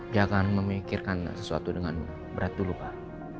jangan memikirkan sesuatu dengan berat dulu pak